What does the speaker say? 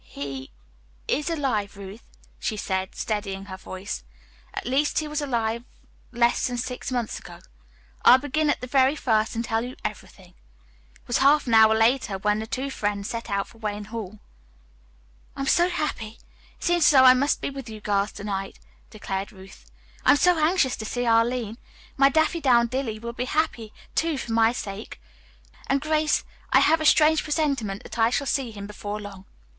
"He is alive, Ruth," she said, steadying her voice. "At least he was alive less than six months ago. I'll begin at the very first and tell you everything." It was half an hour later when the two friends set out for Wayne Hall. "I am so happy; it seems as though I must be with you girls to night," declared Ruth. "I am so anxious to see Arline. My Daffydowndilly will be happy, too, for my sake. And Grace, I have a strange presentiment that I shall see him before long.